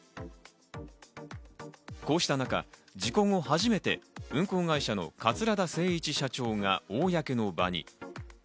こうした中、事故後初めて運航会社の桂田精一社長が公の場に。